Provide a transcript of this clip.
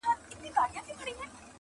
غوجله د عمل ځای ټاکل کيږي او فضا تياره،